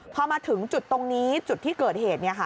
พอมาถึงจุดตรงนี้จุดที่เกิดเหตุ